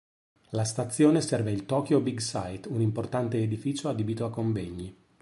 La stazione serve il Tokyo Big Sight, un importante edificio adibito a convegni.